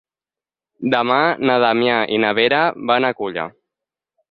Demà na Damià i na Vera van a Culla.